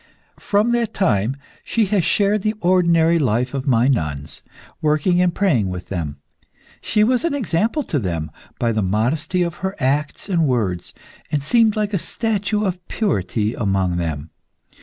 From that time she has shared the ordinary life of my nuns, working and praying with them. She was an example to them by the modesty of her acts and words, and seemed like a statue of purity amongst them.